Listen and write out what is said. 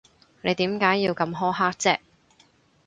你點解要咁苛刻啫？